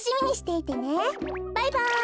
バイバイ！